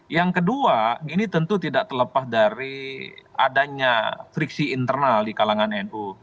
yang kedua ini tentu tidak terlepas dari adanya friksi internal di kalangan nu